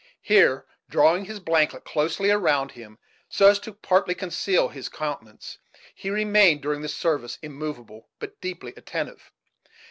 Here, drawing his blanket closely around him so as partly to conceal his countenance, he remained during the service immovable, but deeply attentive.